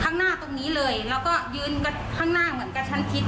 ข้างหน้าตรงนี้เลยแล้วก็ยืนกันข้างหน้าเหมือนกับฉันคิด